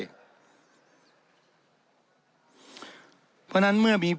เพราะฉะนั้นเมื่อมี